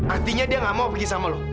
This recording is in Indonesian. artinya dia gak mau pergi sama loh